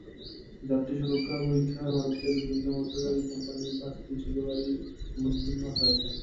যাত্রী সুরক্ষা পরীক্ষায় ভারতের বিভিন্ন মোটরগাড়ি কোম্পানির পাঁচটি ছোট গাড়ি অনুত্তীর্ণ হয়েছে।